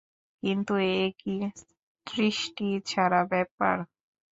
কিন্তু এ কী সৃষ্টিছাড়া ব্যাপার।